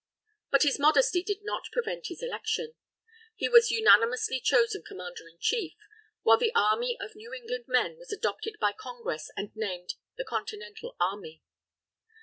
But his modesty did not prevent his election. He was unanimously chosen Commander in Chief; while the army of New England men was adopted by Congress and named "the Continental Army."